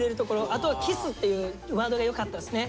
あとは「キス」っていうワードがよかったですね。